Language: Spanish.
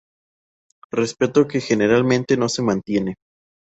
Respeto que generalmente no se mantiene.